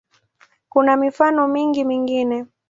Kuna mifano mingi mingine.